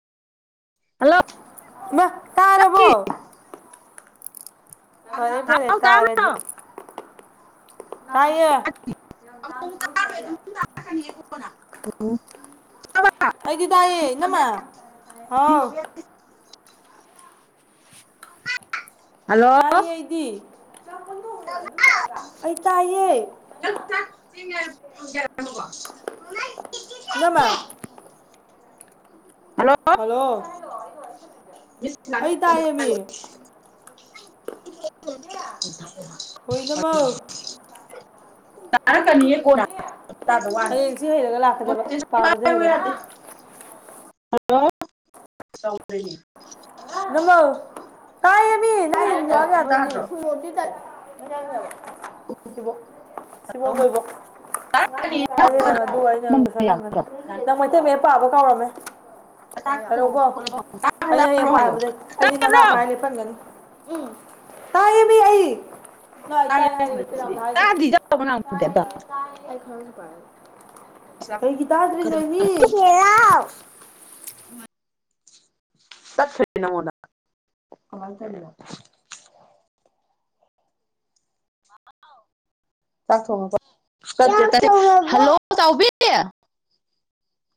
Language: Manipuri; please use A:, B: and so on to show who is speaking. A: ꯍꯜꯂꯣ
B: ꯇꯥꯔꯔꯕꯣ ꯍꯔꯦ ꯐꯣꯔꯦ
A: ꯍꯥꯎ ꯇꯥꯕ꯭ꯔꯣ
B: ꯇꯥꯔꯗꯤ ꯑꯌꯦ
A: ꯑꯣ
B: ꯑꯩꯗꯤꯗꯥꯑꯅ ꯃꯥ ꯍꯥꯎ
A: ꯍꯜꯂꯣ
B: ꯇꯥꯏꯦꯗꯤ ꯐꯩꯇꯥꯌꯦ
A: [inaudible]
B: ꯅꯃ ꯍꯜꯂꯣ ꯑꯩ ꯇꯥꯏꯃꯤ
A: [unintelligible]
B: ꯍꯣꯏꯅꯃ
A: ꯇꯔꯀꯅꯤꯌꯦ ꯀꯅ ꯋꯥ
B: ꯍꯌꯦꯡꯁꯤ ꯍꯩꯔꯒ ꯂꯥꯛꯀꯗꯕ
A: ꯃ
B: ꯄꯥꯕꯁꯦ
A: ꯀ ꯌꯥꯗ
B: ꯍꯩꯔꯒ
A: ꯍꯜꯂꯣ
B: ꯃ ꯇꯥꯌꯦ ꯃꯤ ꯕ ꯁꯤꯕ ꯂꯔꯤꯕ ꯑꯩ ꯍ ꯌꯦꯡꯉ ꯑꯗꯨ ꯑꯩ ꯅꯪꯁꯥ ꯅꯪꯒꯅꯤ ꯅꯪ ꯃꯩꯇꯩ ꯃꯌꯦꯛ ꯄꯥꯕ ꯀꯥꯎꯔꯝꯃꯦ ꯌꯥ ꯍꯂꯣ ꯀꯣ ꯑꯩꯅ ꯍ ꯄ ꯑꯅꯅꯅꯥ
A: ꯇꯥꯕ꯭ꯔꯣ
B: ꯄꯥ ꯂꯩ ꯄꯪꯒꯅꯤ ꯎꯝ ꯇꯥꯌꯦ ꯃꯤ ꯑ ꯉ ꯇ ꯍꯥꯔ ꯐꯔ
A: ꯇꯥꯗꯤ ꯇꯧꯕ ꯅꯪꯕꯨꯗꯤ ꯑꯗꯣ
B: ꯄ ꯀꯩꯒꯤ ꯇꯥꯗ꯭ꯔꯤ ꯅꯣꯣꯏꯅꯤ
A: ꯆꯠ ꯊꯅꯣꯅ ꯆ ꯊꯣꯉ ꯍꯜꯂꯣ ꯇꯥꯎꯕꯤ